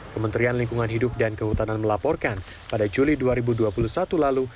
kementerian lingkungan hidup dan kehutanan melaporkan pada juli dua ribu dua puluh satu lalu